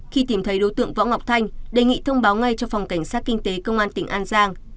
khi tìm thấy đối tượng võ ngọc thanh đề nghị thông báo ngay cho phòng cảnh sát kinh tế công an tỉnh an giang